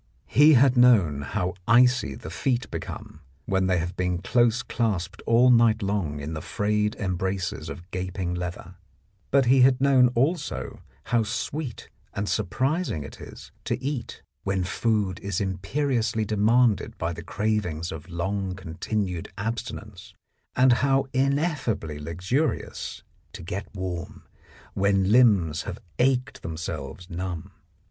He had known how icy the feet become when they have been close clasped all night long in the frayed embraces of gaping leather, but he had known also how sweet and surprising it is to eat when food is imperiously demanded by the cravings of long continued abstinence, and how ineffably luxurious to get warm when limbs have ached themselves numb.